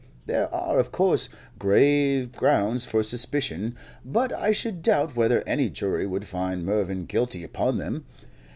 There are, of course, grave grounds for suspicion, but I should doubt whether any jury would find Mervyn guilty upon them.